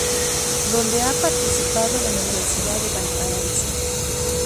Donde ha participado la Universidad de Valparaíso.